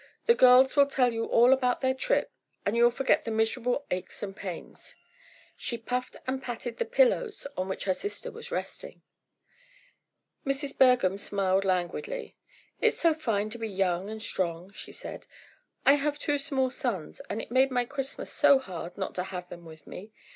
The girls will tell you all about their trip and you'll forget the miserable aches and pains." She puffed and patted the pillows on which her sister was resting. Mrs. Bergham smiled languidly. "It's so fine to be young and strong," she said. "I have two small sons, and it made my Christmas so hard not to have them with me.